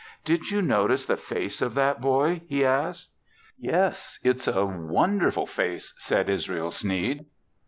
"Did you notice the face of that boy?" he asked. "Yes, it's a wonderful face," said Israel Sneed.